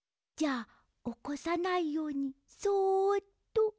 じゃあおこさないようにそっと。